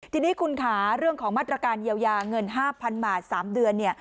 ทีนี้คุณค่ะเรื่องของมาตรการเยียวยาเงิน๕๐๐๐บาท๓เดือนเนี่ย